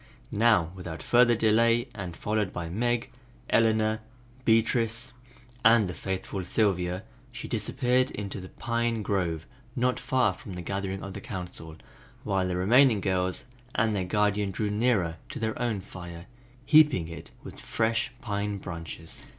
Now without further delay, and followed by Meg, Eleanor, Beatrice and the faithful Sylvia, she disappeared into the Pine grove not far from the gathering of the Council, while the remaining girls and their guardian drew nearer to their own fire, heaping it with fresh pine branches.